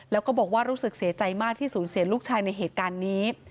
แล้วก็บอกว่ารู้สึกเสียใจมากที่สูญเสียลูกชายในเหตุการณ์นี้